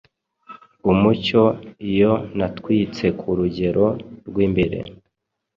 Umucyo iyo natwitsekurugero rwimbere